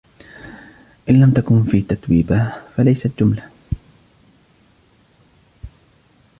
إن لم تكن في تتويبا ، فليست جملة.